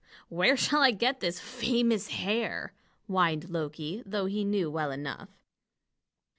"Where shall I get this famous hair?" whined Loki, though he knew well enough.